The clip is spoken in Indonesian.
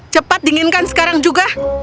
cepat dinginkan sekarang juga